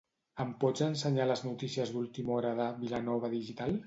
Em pots ensenyar les notícies d'última hora de "Vilanova Digital"?